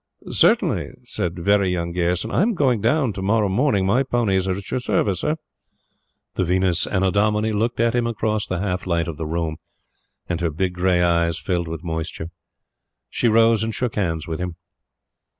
"Certainly," said "Very Young" Gayerson. "I am going down to morrow morning. My ponies are at your service, Sir." The Venus Annodomini looked at him across the half light of the room, and her big gray eyes filled with moisture. She rose and shook hands with him.